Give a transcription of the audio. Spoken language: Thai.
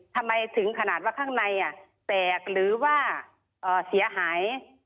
ทำไมถึงขนาดว่าข้างในแตกหรือว่าเสียหาย